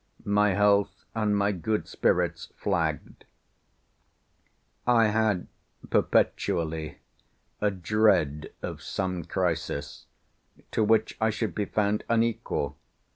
My health and my good spirits flagged. I had perpetually a dread of some crisis, to which I should be found unequal.